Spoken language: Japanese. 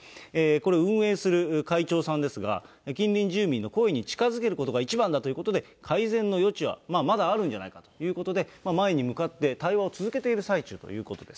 これ、運営する会長さんですが、近隣住民の声に近づけることが一番だということで、改善の余地は、まだあるんじゃないかということで、前に向かって対話を続けている最中ということです。